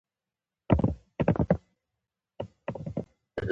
ګډ باور د سترې ادارې بریا ممکنه کوي.